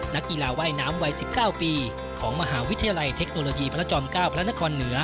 นักกีฬาว่ายน้ำวัย๑๙ปีของมหาวิทยาลัยเทคโนโลยีพระจอม๙พระนครเหนือ